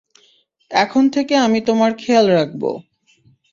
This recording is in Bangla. এখন থেকে আমি তোমার খেয়াল রাখব।